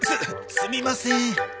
すすみません。